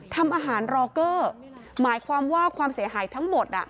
ทำอาหารรอเกอร์หมายความว่าความเสียหายทั้งหมด